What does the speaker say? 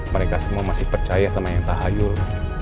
mereka semua masih percaya sama yang tahayul